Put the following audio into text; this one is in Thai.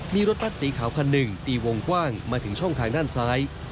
มีรถบัตรสีขาวคันหนึ่งตีวงกว้างมาถึงช่องทางด้านซ้าย